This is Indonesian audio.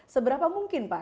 seberapa mungkin pak